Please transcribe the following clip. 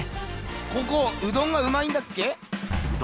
ここうどんがうまいんだっけ？